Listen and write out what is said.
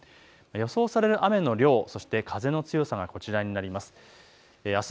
予想される雨の量、そして風の強さがこちらになります。